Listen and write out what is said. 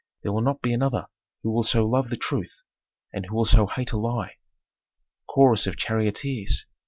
There will not be another who will so love the truth, and who will so hate a lie." _Chorus of charioteers.